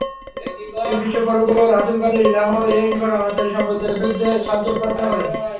তিনি বিশ্ব প্রভু ও রাসূলগণের ইলাহ্-এর নিকট অনাচারী সম্প্রদায়ের বিরুদ্ধে সাহায্য প্রার্থনা করেন।